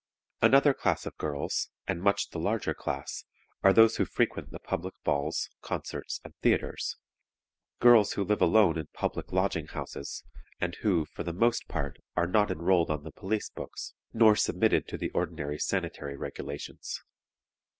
"Another class of girls, and much the larger class, are those who frequent the public balls, concerts, and theatres girls who live alone in public lodging houses, and who, for the most part, are not enrolled on the police books nor submitted to the ordinary sanitary regulations.